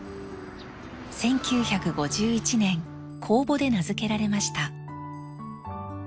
１９５１年公募で名付けられました。